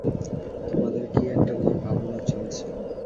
তোমাদের কী একটা নিয়ে ভাবনা চলছে।